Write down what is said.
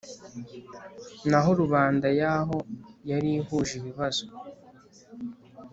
naho rubanda yaho yari ihuje ibibazo